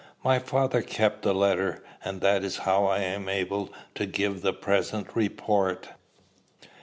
My father kept the letter, and that is how I am able to give the present report.